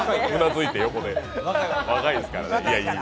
若いですからね。